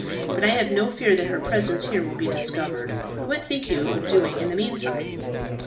But I have no fear that her presence here will be discovered. What think you of doing in the meantime?"